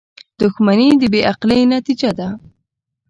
• دښمني د بې عقلۍ نتیجه ده.